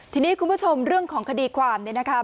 ทีนี้คุณผู้ชมเรื่องของคดีความเนี่ยนะคะ